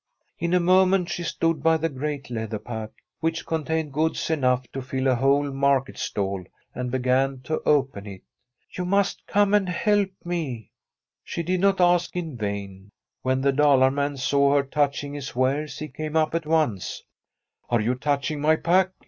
In a moment she stood by the great leather pack, which contained goods enough to fill a whole market stall, and began to open it. ' You must come and help me.' She did not ask in vain. When the Dalar man saw her touching his wares he came up at once. ' Are you touching my pack